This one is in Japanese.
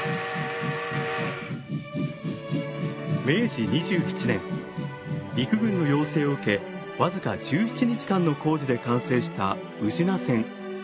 明治２７年陸軍の要請を受け僅か１７日間の工事で完成した宇品線。